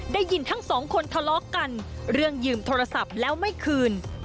ได้ยินทั้งสองคนทะเลาะกันเรื่องยืมโทรศัพท์แล้วไม่คืน